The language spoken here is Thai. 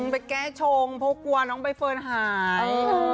ไปแก้ชงเพราะกลัวน้องใบเฟิร์นหาย